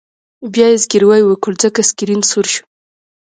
بیا یې زګیروی وکړ ځکه سکرین سور شو